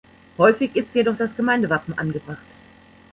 Häufig ist jedoch das Gemeindewappen angebracht.